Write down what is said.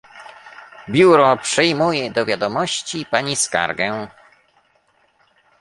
Biuro przyjmuje do wiadomości pani skargę